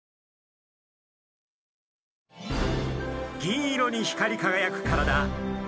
銀色に光りかがやく体。